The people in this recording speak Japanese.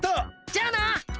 じゃあな。